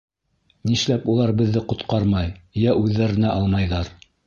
— Нишләп улар беҙҙе ҡотҡармай, йә үҙҙәренә алмайҙар?